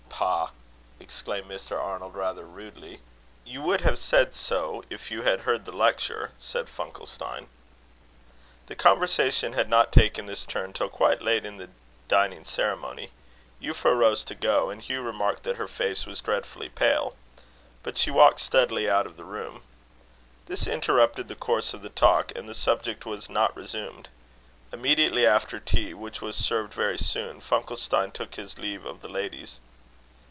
"Bah!" exclaimed Mr. Arnold, rather rudely. "You would have said so, if you had heard the lecture," said Funkelstein. The conversation had not taken this turn till quite late in the dining ceremony. Euphra rose to go; and Hugh remarked that her face was dreadfully pale. But she walked steadily out of the room. This interrupted the course of the talk, and the subject was not resumed. Immediately after tea, which was served very soon, Funkelstein took his leave of the ladies.